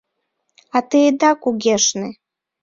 — А те ида кугешне.